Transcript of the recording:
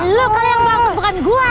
lo kalian bangkut bukan gua